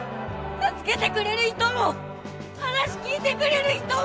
助けてくれる人も話聞いてくれる人も！